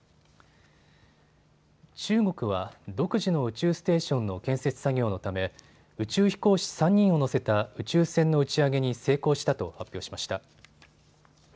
中国は独自の宇宙ステーションの建設作業のため宇宙飛行士３人を乗せた宇宙船の打ち上げに成功したと発表しました。